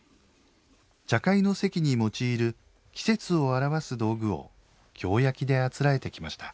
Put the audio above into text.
茶会の席に用いる季節を表す道具を京焼であつらえてきました。